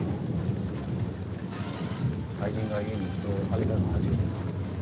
愛人が家に人を上げたのは初めてだ。